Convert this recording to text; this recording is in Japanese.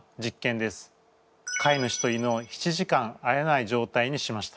飼い主と犬を７時間会えないじょうたいにしました。